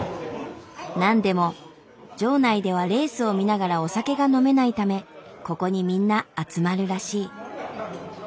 なんでも場内ではレースを見ながらお酒が飲めないためここにみんな集まるらしい。